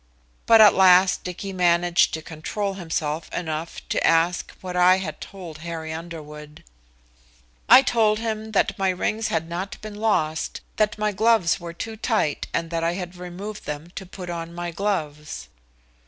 But at last Dicky managed to control himself enough to ask what I had told Harry Underwood. "I told him that my rings had not been lost, that my gloves were too tight and that I had removed them to put on my gloves."